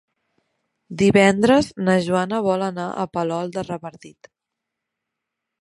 Divendres na Joana vol anar a Palol de Revardit.